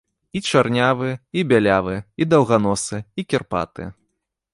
І чарнявыя, і бялявыя, і даўганосыя, і кірпатыя.